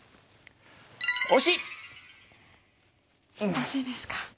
惜しいですか。